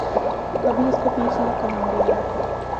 کبھی اسکو پیر صاحب کا نام دیا گیا